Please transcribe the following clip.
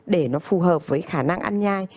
để nó phù hợp với khả năng ăn nhai